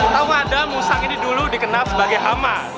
tahu anda musang ini dulu dikenal sebagai hama